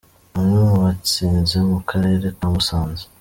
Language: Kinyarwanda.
Umwe mu batsinze mu karere ka Musanze .